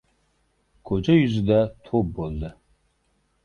Ko‘cha yuzida to‘p bo‘ldi.